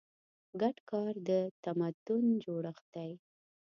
ګډ کار د تمدن جوړښت دی.